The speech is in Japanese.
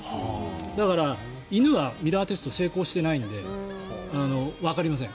だから、犬はミラーテスト成功していないのでわかりません。